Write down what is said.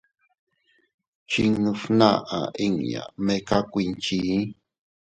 Chinnu fnaʼa inña meka kuinchii.